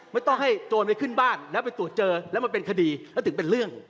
ไม่ต้องให้โจรไปขึ้นบ้านแล้วไปตรวจเจอแล้วมันเป็นคดีแล้วถึงเป็นเรื่อง